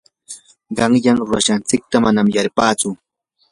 qanyan rurashqanchikta manam yarpatsu.